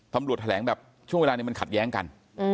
ตำรวจแถลงแบบช่วงเวลานี้มันขัดแย้งกัน